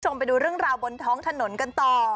ไปดูเรื่องราวบนท้องถนนกันต่อ